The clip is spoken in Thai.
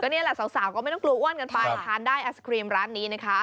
นี่แหละสาวก็ไม่ต้องกลัวอ้วนกันไปทานได้ไอศครีมร้านนี้นะคะ